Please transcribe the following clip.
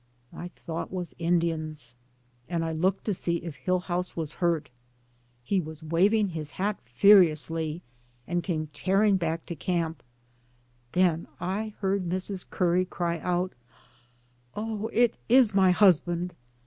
My thought was Indians, and I looked to see if Hillhouse was hurt. He was waving DAYS ON THE ROAD. 221 his hat furiously and came tearing back to camp. Then I heard Mrs. Curry cry out : "Oh, it is my husband."